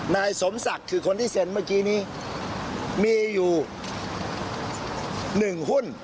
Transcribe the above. นายสมศักดิ์คือคนที่เซ็นเมื่อกี้นี้มีอยู่๑หุ้น